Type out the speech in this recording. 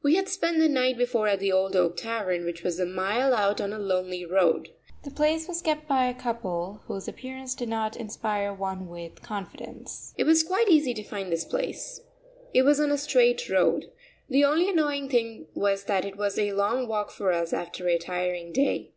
We had spent the night before at the Old Oak Tavern, which was a mile out on a lonely road. The place was kept by a couple whose appearance did not inspire one with confidence. It was quite easy to find this place. It was on a straight road. The only annoying thing was that it was a long walk for us after a tiring day.